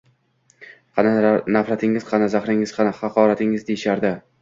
qani nafratingiz, qani zahringiz, qani haqoratingiz?” deyishardi.